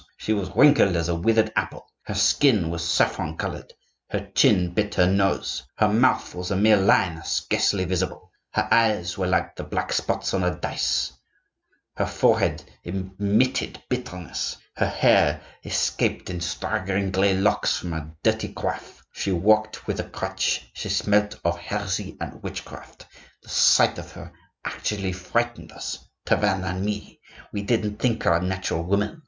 She was wrinkled as a withered apple; her skin was saffron colored; her chin bit her nose; her mouth was a mere line scarcely visible; her eyes were like the black spots on a dice; her forehead emitted bitterness; her hair escaped in straggling gray locks from a dirty coif; she walked with a crutch; she smelt of heresy and witchcraft. The sight of her actually frightened us, Tavannes and me! We didn't think her a natural woman.